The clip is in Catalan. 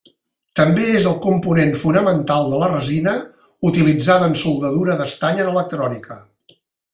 També és el component fonamental de la resina utilitzada en soldadura d'estany en electrònica.